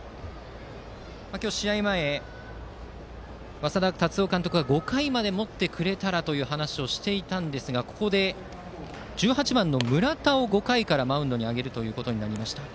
今日は試合前、稙田監督が５回まで持ってくれたらという話をしていたんですがここで１８番の村田を５回からマウンドに上げました。